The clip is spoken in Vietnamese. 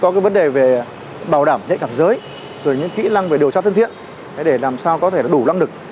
có vấn đề về bảo đảm nhận cảm giới kỹ năng về điều tra thân thiện để làm sao có thể đủ năng lực